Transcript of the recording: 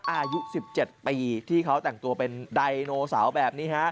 อายุ๑๗ปีที่เขาแต่งตัวเป็นไดโนเสาร์แบบนี้ฮะ